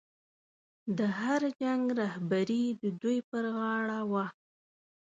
د هر جنګ رهبري د دوی پر غاړه وه.